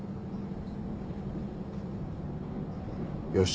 よし。